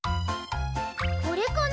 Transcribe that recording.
これかな？